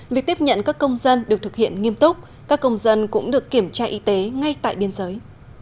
việc tiếp nhận các công dân được thực hiện nghiêm túc các công dân cũng được kiểm tra y tế ngay tại biên giới